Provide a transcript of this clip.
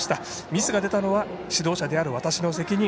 ミスが出たのは指導者である私の責任。